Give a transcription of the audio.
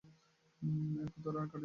তার পর আর কাটিল না।